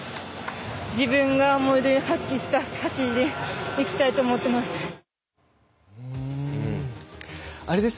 自分が思いどおり発揮した走りで行きたいと思っています。